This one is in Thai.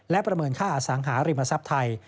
และประเมินค่าอสังหาริมทรัพย์ไทย